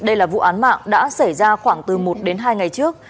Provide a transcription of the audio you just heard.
đây là vụ án mạng đã xảy ra khoảng từ một đến hai ngày trước